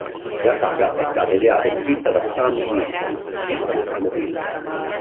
La saga è stata ideata e scritta da Stan Winston, regista del primo film.